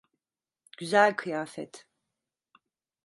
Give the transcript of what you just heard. Güzel kıyafet.